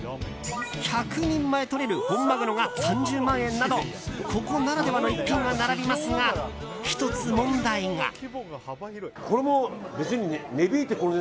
１００人前とれる本マグロが３０万円などここならではの逸品が並びますが１つ問題が。